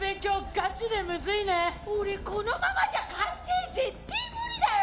俺このままじゃ開成ぜってえ無理だよ。